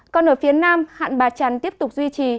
còn ở phía nam hạn bà trần tiếp tục duy trì